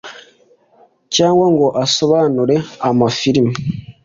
cyangwa ngo asobanure ama firime